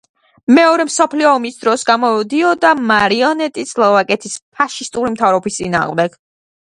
მეორე მსოფლიო ომის დროს გამოდიოდა მარიონეტი სლოვაკეთის ფაშისტური მთავრობის წინააღმდეგ.